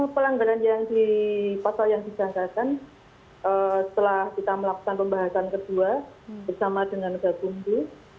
pelanggaran yang di pasal yang dijangkakan setelah kita melakukan pembahasan kedua bersama dengan gakumdu